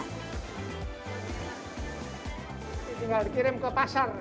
tinggal dikirim ke pasar